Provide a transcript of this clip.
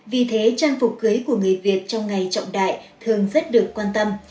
vì thế trang phục cưới của người việt trong ngày trọng đại thường rất được quan tâm